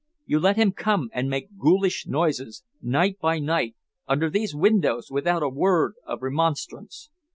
You let him come and make his ghoulish noises, night by night, under these windows, without a word of remonstrance.